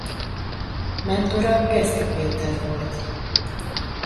Mentora Geszti Péter volt.